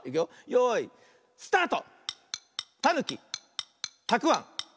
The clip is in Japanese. よいスタート！